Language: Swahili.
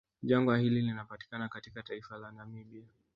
Jangwa hili linapatikana katika taifa la Namibia